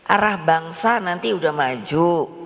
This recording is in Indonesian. arah bangsa nanti udah maju